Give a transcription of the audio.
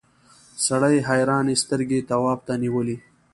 سړي حیرانې سترګې تواب ته نیولې.